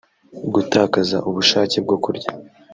gutakaza ubushake bwo kurya